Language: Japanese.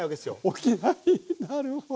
起きないなるほど。